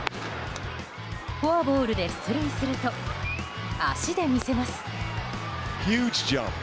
フォアボールで出塁すると足で見せます。